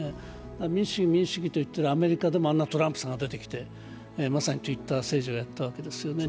民主主義、民主主義と言ってるアメリカでもトランプさんが出てきてまさにＴｗｉｔｔｅｒ政治をやったわけですよね。